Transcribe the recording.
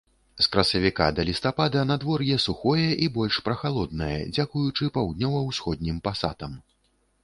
З красавіка да лістапада надвор'е сухое і больш прахалоднае, дзякуючы паўднёва-ўсходнім пасатам.